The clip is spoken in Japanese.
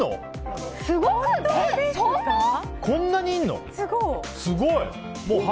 こんなにいるの？